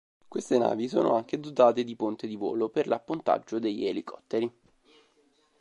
Queste navi sono anche dotate di ponte di volo per l'appontaggio degli elicotteri.